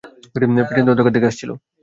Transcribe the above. পেছনে অন্ধকার থেকে আসছিল!